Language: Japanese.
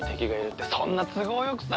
ってそんな都合良くさ。